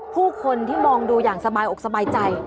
ผู้คนที่มองดูอย่างสบายอกสบายใจ